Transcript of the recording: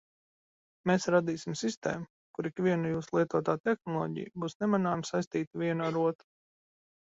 Mēs radīsim sistēmu, kur ikviena jūsu lietotā tehnoloģija būs nemanāmi saistīta viena ar otru.